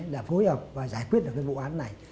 để phối hợp và giải quyết được cái vụ án này